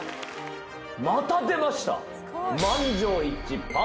また出ました！